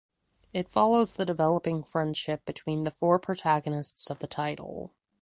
It follows the developing friendship between the four protagonists of the title.